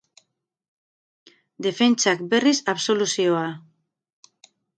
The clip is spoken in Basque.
Defentsak, berriz, absoluzioa.